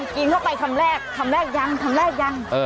กินเข้าไปคำแรกคำแรกยังคำแรกยัง